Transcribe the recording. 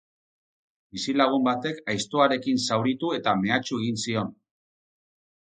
Bizilagun batek aiztoarekin zauritu eta mehatxu egin zion.